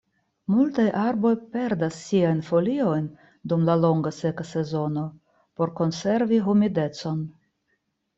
Multaj arboj perdas siajn foliojn dum la longa seka sezono por konservi humidecon.